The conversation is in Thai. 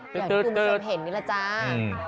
เดี๋ยวดูมีชมเห็นนี่แหละจ้า